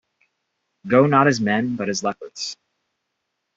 Go not as men, but as leopards.